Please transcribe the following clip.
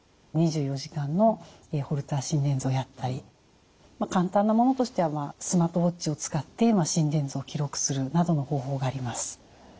２４時間のホルター心電図をやったり簡単なものとしてはスマートウォッチを使って心電図を記録するなどの方法があります。